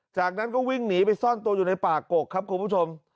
จากนั้นก็วิ่งหนีไปซ่อนตัวอยู่ในป่ากกครับคุณผู้ชม